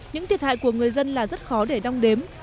những thiệt hại của người dân là rất khó để đong đếm